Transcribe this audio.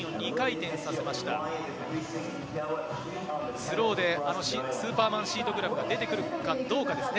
スローでスーパーマンシートグラブが出てくるかどうかですね。